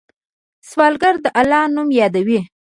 سوالګر د الله نوم یادوي